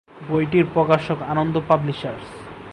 বইটির প্রকাশক আনন্দ পাবলিশার্স।